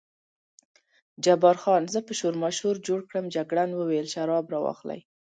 جبار خان: زه به شورماشور جوړ کړم، جګړن وویل شراب را واخلئ.